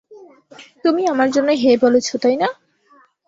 তুমি আমার জন্যই হ্যাঁ বলেছো, তাই না?